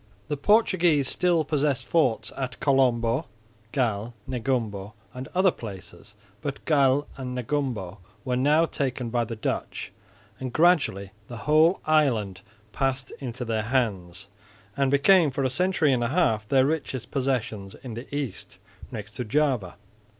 The Portuguese still possessed forts at Colombo, Galle, Negumbo and other places, but Galle and Negumbo were now taken by the Dutch, and gradually the whole island passed into their hands and became for a century and a half their richest possession in the East, next to Java.